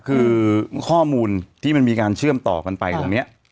คือข้อมูลที่มันมีการเชื่อมต่อกันไปตรงนี้